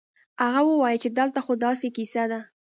هغه وويل چې دلته خو داسې کيسه ده.